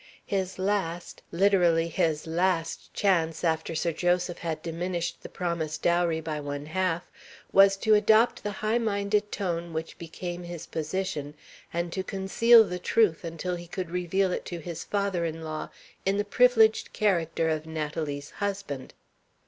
His last, literally his last chance, after Sir Joseph had diminished the promised dowry by one half, was to adopt the high minded tone which became his position, and to conceal the truth until he could reveal it to his father in law in the privileged character of Natalie's husband.